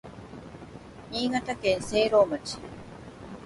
新潟県聖籠町